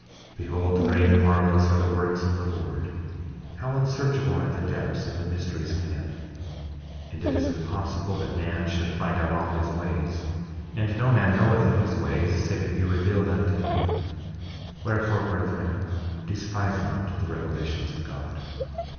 4:8 Behold, great and marvelous are the works of the Lord. How unsearchable are the depths of the mysteries of him; and it is impossible that man should find out all his ways. And no man knoweth of his ways save it be revealed unto him; wherefore, brethren, despise not the revelations of God.